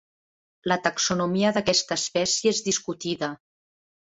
La taxonomia d'aquesta espècie és discutida.